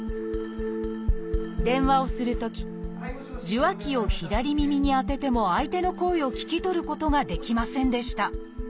電話をするとき受話器を左耳に当てても相手の声を聞き取ることができませんでした